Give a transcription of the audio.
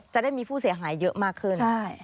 จะได้มีผู้เสียหายเยอะมากขึ้น